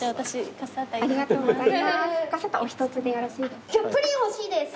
カッサータお一つでよろしいですか？